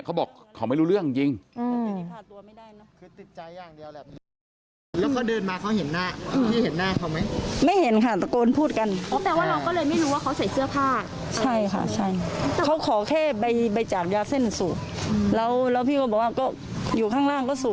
เขาบอกเขาไม่รู้เรื่องจริง